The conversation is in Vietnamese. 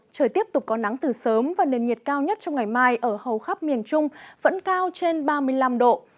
trời tiếp tục có nắng từ sớm và nền nhiệt cao nhất trong ngày mai ở hầu khắp miền trung vẫn cao trên ba mươi năm độ